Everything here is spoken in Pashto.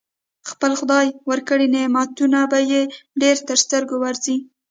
خپل خدای ورکړي نعمتونه به يې ډېر تر سترګو ورځي.